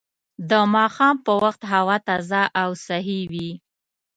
د ماښام په وخت هوا تازه او صحي وي